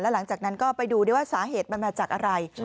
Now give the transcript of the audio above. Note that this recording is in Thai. แล้วหลังจากนั้นก็ไปดูสาเหตุมันมาจากอะไร